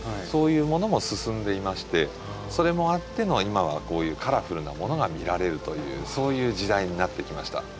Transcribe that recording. そういうものも進んでいましてそれもあっての今はこういうカラフルなものが見られるというそういう時代になってきました。